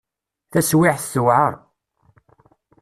Taswiεt tewεer.